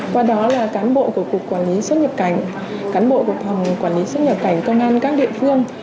qua đó là cán bộ của cục quản lý xuất nhập cảnh cán bộ của phòng quản lý xuất nhập cảnh công an các địa phương